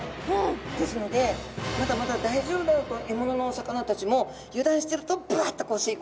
ですのでまだまだ大丈夫だと獲物のお魚たちも油断してるとブワッとこう吸い込んで食べちゃうわけですね。